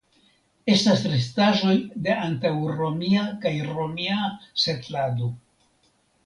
Estas restaĵoj de antaŭromia kaj romia setlado.